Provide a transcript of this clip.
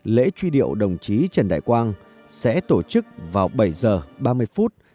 lễ truy điệu đồng chí trần đại quang sẽ tổ chức vào bảy giờ ba mươi phút